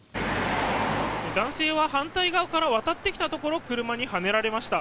男性は反対側から渡ってきたところ車にはねられました。